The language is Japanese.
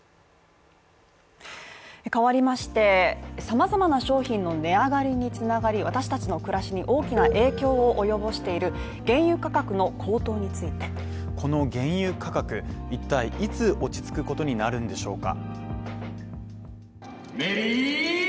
変わりまして、様々な商品の値上がりに繋がり私達の暮らしに大きな影響を及ぼしている原油価格の高騰についてこの原油価格一体いつ落ち着くことになるんでしょうか？